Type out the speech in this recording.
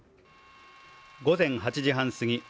午前８時半過ぎ